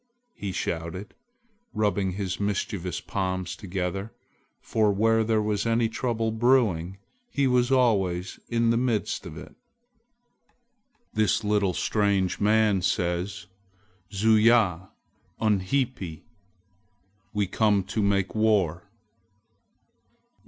he shouted, rubbing his mischievous palms together, for where there was any trouble brewing, he was always in the midst of it. "This little strange man says, 'Zuya unhipi! We come to make war!'"